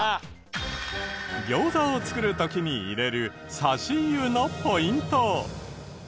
餃子を作る時に入れる差し湯のポイント。